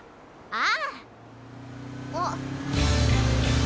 ああ？